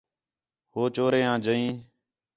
ہو چوریں آ جئیں